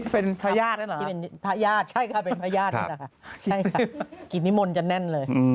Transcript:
เป็นพระยาตรใช่ค่ะเป็นพระยาตรนั้นหรอกินนิมนต์จะแน่นเลย